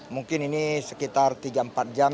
mungkin ini sekitar tiga empat jam